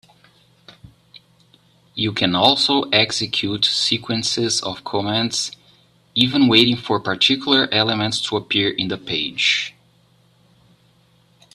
You can also execute sequences of commands, even waiting for particular elements to appear in the page.